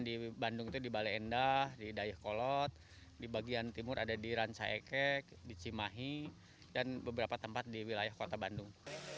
di bandung itu di bale endah di dayakolot di bagian timur ada di ranca ekek di cimahi dan beberapa tempat di wilayah kota bandung